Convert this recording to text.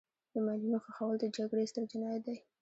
د ماینونو ښخول د جګړې ستر جنایت دی.